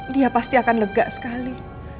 dia pasti akan lega sekali